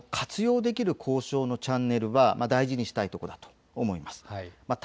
活用できる交渉のチャンネルは、大事にしたいところだと思います。